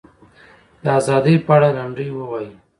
د ازادۍ په اړه لنډۍ ووایي.